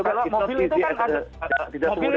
kalau mobil itu kan tidak mudah dikantrikan pak putut